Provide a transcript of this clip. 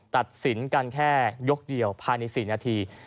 ตัดสินกันแค่ยกเดียวภายใน๔นาที